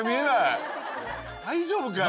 大丈夫かよ。